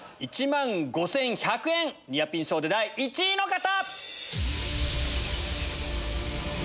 １万５１００円ニアピン賞で第１位の方！